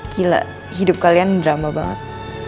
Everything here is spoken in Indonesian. gila hidup kalian drama banget